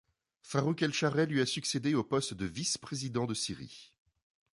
Farouk el-Chareh lui a succédé au poste de vice-président de Syrie.